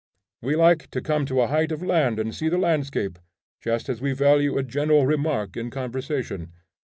We like to come to a height of land and see the landscape, just as we value a general remark in conversation.